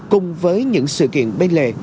cùng với những sự kiện bên lề